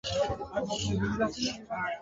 কী একজন মহিলা।